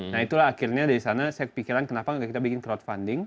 nah itulah akhirnya dari sana saya pikiran kenapa kita bikin crowdfunding